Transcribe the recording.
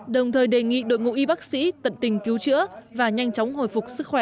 đồng thời đề nghị đội ngũ y bác sĩ tận tình cứu chữa và nhanh chóng hồi phục sức khỏe